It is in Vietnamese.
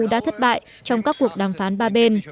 đã thất bại trong các cuộc đàm phán ba bên